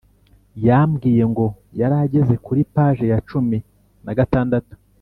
Yambwiye ngo yarageze kuri paje ya cumi nagatandatu